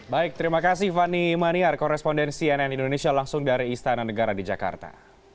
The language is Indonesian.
baik terima kasih fani maniar korespondensi nn indonesia langsung dari istana negara di jakarta